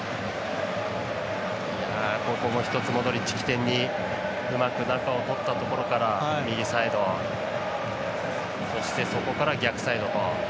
ここも一つモドリッチを起点にうまく中をとったところから右サイドそして、そこから逆サイドと。